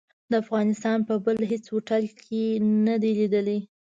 د افغانستان په بل هيڅ هوټل کې نه دي ليدلي.